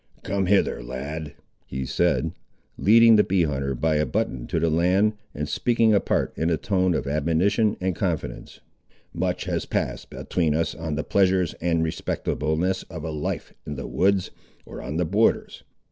"Come hither, lad," he said, leading the bee hunter by a button to the land, and speaking apart in a tone of admonition and confidence; "much has passed atween us on the pleasures and respectableness of a life in the woods, or on the borders.